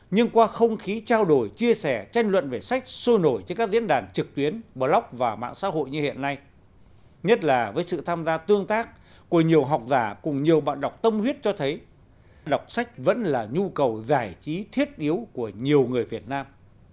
nhưng qua không khí trao đổi chia sẻ tranh luận về sách sôi nổi trên các diễn đàn trực tuyến blog và mạng xã hội như hiện nay nhất là với sự tham gia tương tác của nhiều học giả cùng nhiều bạn đọc tâm huyết cho thấy đọc sách vẫn là nhu cầu giải trí thiết yếu của nhiều người việt nam